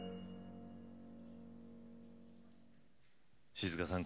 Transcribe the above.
静香さん